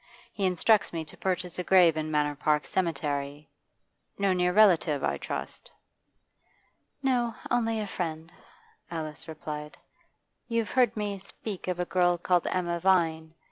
He instructs me to purchase a grave in Manor Park Cemetery. No near relative, I trust?' 'No, only a friend,' Alice replied. 'You've heard me speak of a girl called Emma Vine.